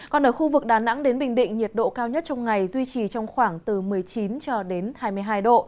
còn ở khu vực đà nẵng đến bình định nhiệt độ cao nhất trong ngày duy trì trong khoảng từ một mươi chín cho đến hai mươi hai độ